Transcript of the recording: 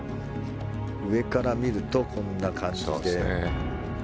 上から見ると、こんな感じで。